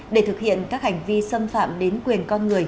để thực hiện các hành vi xâm phạm đến quyền con người